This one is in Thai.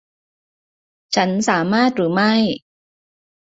ฉันสามารถหรือไม่ ?